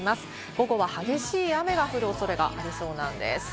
午後は激しい雨が降る恐れがありそうなんです。